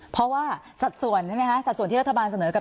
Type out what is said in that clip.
เพราะสัดส่วนที่รัฐบาลเสนอกับ